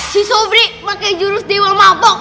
si sobri pakai jurus dewa mabok